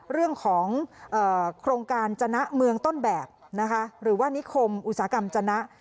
เรื่องของโครงการจนะเมืองต้นแบบนะคะหรือว่านิคมอุตสาหกรรมจนะ